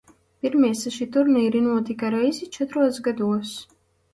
Pirmie seši turnīri notika reizi četros gados.